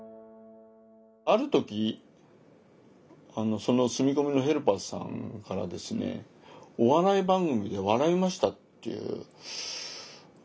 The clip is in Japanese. ある時住み込みのヘルパーさんからですねお笑い番組で笑いましたっていうことをですね